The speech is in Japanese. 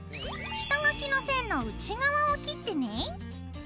下書きの線の内側を切ってね。